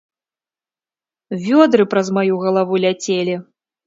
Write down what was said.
Вёдры праз маю галаву ляцелі!